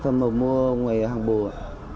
phẩm màu mua ở ngoài hàng bồ